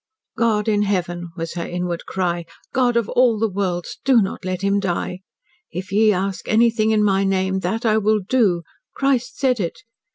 "God in Heaven!" was her inward cry. "God of all the worlds! Do not let him die. 'If ye ask anything in my name that I will do.' Christ said it.